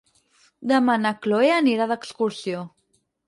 Demà na Chloé anirà d'excursió.